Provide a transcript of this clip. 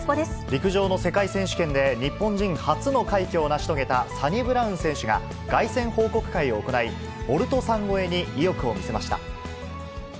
陸上の世界選手権で、日本人初の快挙を成し遂げたサニブラウン選手が、凱旋報告会を行い、ボルトさん超えに意欲を見せました。